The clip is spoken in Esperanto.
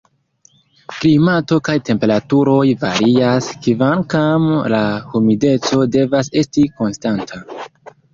Klimato kaj temperaturoj varias, kvankam la humideco devas esti konstanta.